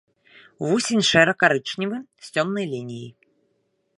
Вусень шэра-карычневы, з цёмнай лініяй.